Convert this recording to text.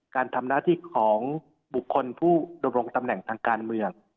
การทำหน้าที่ของบุคคลผู้ดำรงตำแหน่งทางการเมือง